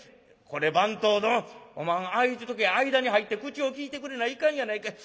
これ番頭どんおまはんああいった時は間に入って口をきいてくれないかんやないかい。